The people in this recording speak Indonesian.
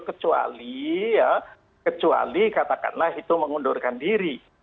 kecuali katakanlah itu mengundurkan diri